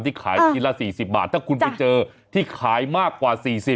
ที่ขายทีละ๔๐บาทถ้าคุณไปเจอที่ขายมากกว่า๔๐